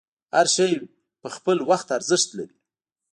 هر شی په خپل وخت ارزښت لري.